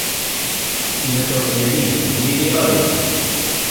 sina toki e ni: ni li olin!